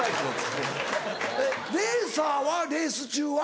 レーサーはレース中は？